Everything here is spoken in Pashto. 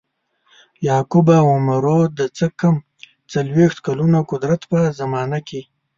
یعقوب او عمرو د څه کم څلویښت کلونو قدرت په زمانه کې.